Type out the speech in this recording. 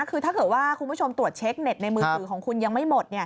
คือถ้าเกิดว่าคุณผู้ชมตรวจเช็คเน็ตในมือถือของคุณยังไม่หมด